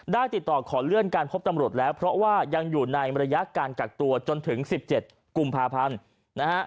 ติดต่อขอเลื่อนการพบตำรวจแล้วเพราะว่ายังอยู่ในระยะการกักตัวจนถึง๑๗กุมภาพันธ์นะฮะ